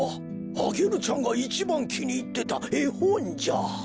アゲルちゃんがいちばんきにいってたえほんじゃ。